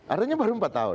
artinya baru empat tahun